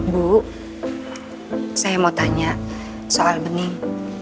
bu saya mau tanya soal bening